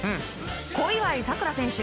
小祝さくら選手。